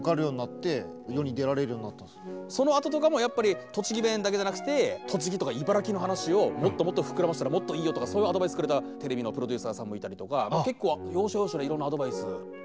そのあととかもやっぱり栃木弁だけじゃなくて栃木とか茨城の話をもっともっと膨らましたらもっといいよとかそういうアドバイスくれたテレビのプロデューサーさんもいたりとか結構要所要所でいろんなアドバイス。